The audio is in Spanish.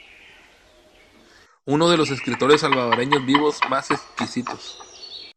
Uno de los escritores salvadoreños vivos más exquisitos.